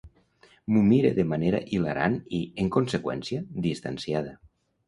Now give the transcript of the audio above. M'ho mire de manera hilarant i, en conseqüència, distanciada.